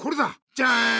じゃん！